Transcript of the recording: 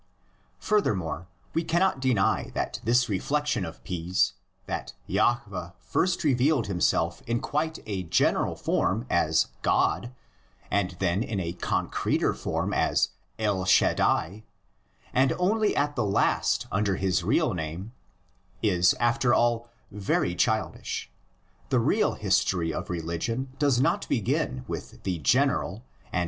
Furthermore, we cannot deny that this reflexion of P's, that Jahveh first revealed himself in quite a general form as "God," and then in a concreter form as El Shaddai, and only at the last under his real name, is, after all, very childish: the real his tory of religion does not begin with the general and 150 THE LEGENDS OF GENESIS.